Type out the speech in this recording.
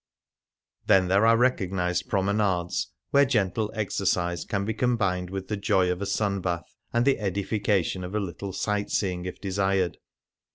Then there are recognized promenades, where gentle exercise can be combined with the joy of a sun bath and the edification of a little sight seeing if desired.